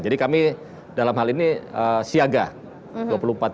jadi kami dalam hal ini siagat